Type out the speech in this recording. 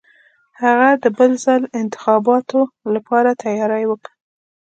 هغه د بل ځل انتخاباتو لپاره تیاری وکه.